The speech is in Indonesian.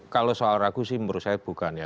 kalau soal ragu sih menurut saya bukan ya